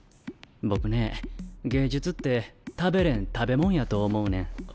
僕ね芸術って食べれん食べ物やと思うねん。